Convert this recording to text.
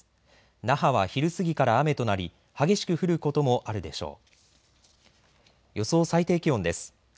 那覇は昼すぎから雨となり激しく降ることもあるでしょう。